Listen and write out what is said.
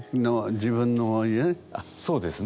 あっそうですね。